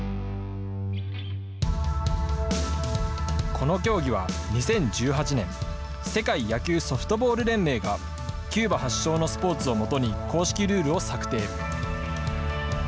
この競技は、２０１８年、世界野球ソフトボール連盟がキューバ発祥のスポーツを元に、公式ルールを策定。